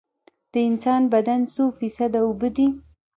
د انسان بدن څو فیصده اوبه دي؟